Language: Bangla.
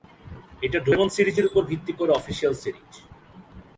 এটা ডোরেমন সিরিজের উপর ভিত্তি করে অফিসিয়াল সিরিজ।